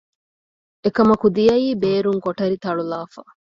އެކަމަކު ދިޔައީ ބޭރުން ކޮޓަރި ތަޅުލައިފަ